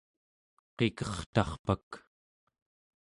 Qikertarpak